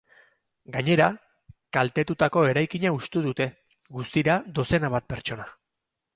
Gainera, kaltetutako eraikina hustu dute, guztira, dozena bat pertsona.